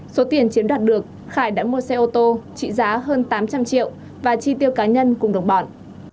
số tiền chiếm đoạt được khải đã mua xe ô tô trị giá hơn tám trăm linh triệu và chi tiêu cá nhân cùng đồng bọn